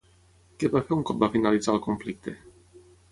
Què va fer un cop va finalitzar el conflicte?